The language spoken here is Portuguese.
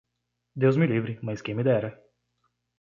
Deus me livre, mas quem me dera